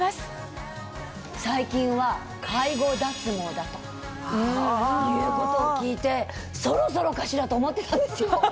だということを聞いてそろそろかしらと思ってたんですよ。